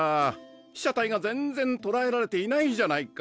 被写体が全然とらえられていないじゃないか。